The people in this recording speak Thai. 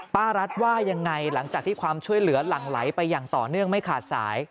รัฐว่ายังไงหลังจากที่ความช่วยเหลือหลั่งไหลไปอย่างต่อเนื่องไม่ขาดสาย